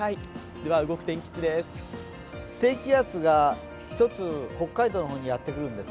では動く天気図です。